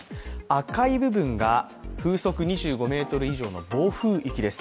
赤い部分が風速２５メートル以上の暴風域です。